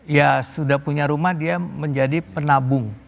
ya sudah punya rumah dia menjadi penabung